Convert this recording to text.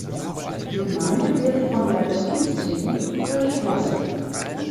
Die Gemeinde wird von der Triesting durchflossen.